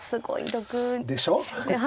６。でしょ？